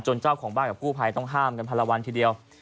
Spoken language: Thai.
เจ้าของบ้านกับกู้ภัยต้องห้ามกันพันละวันทีเดียว